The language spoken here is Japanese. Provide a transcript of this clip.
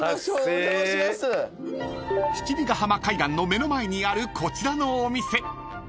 ［七里ヶ浜海岸の目の前にあるこちらのお店］